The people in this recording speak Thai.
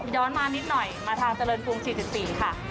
ย้อนมานิดหน่อยมาทางเจริญกรุง๔๔ค่ะ